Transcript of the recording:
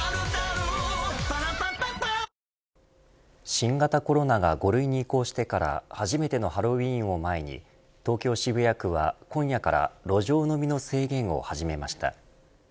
新型コロナが５類に移行してから初めてのハロウィーンを前に東京・渋谷区は今夜から路上飲みの制限を始めました。